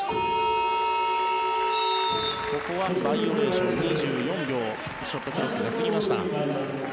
ここはバイオレーション２４秒ショットクロックが過ぎました。